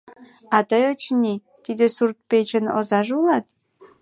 А тый, очыни, тиде сурт-печын озаже улат?